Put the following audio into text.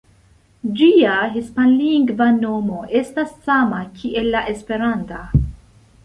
Ĝia hispanlingva nomo estas sama kiel la esperanta.